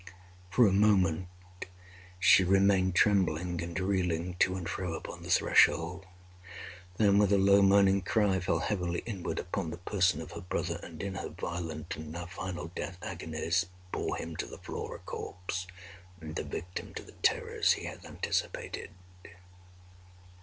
For a moment she remained trembling and reeling to and fro upon the threshold—then, with a low moaning cry, fell heavily inward upon the person of her brother, and in her violent and now final death agonies, bore him to the floor a corpse, and a victim to the terrors he had anticipated.